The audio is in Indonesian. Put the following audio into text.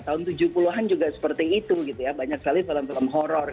tahun tujuh puluh an juga seperti itu gitu ya banyak kali film film horror gitu kan ya